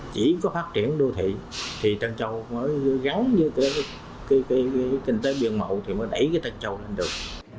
chỉ có phát triển đô thị thì tân châu mới gáo như cái kinh tế biên mộng thì mới đẩy cái tân châu lên được